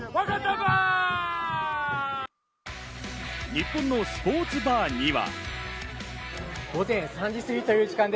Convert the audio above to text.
日本のスポーツバーには。